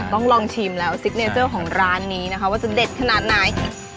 ต้องลองชิมแล้วซิกเนเจอร์ของร้านนี้นะคะว่าจะเด็ดขนาดไหน